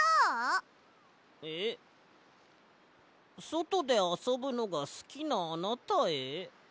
「そとであそぶのがすきなあなたへ」？